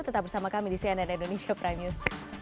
tetap bersama kami di cnn indonesia prime news